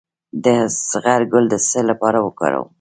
د زغر ګل د څه لپاره وکاروم؟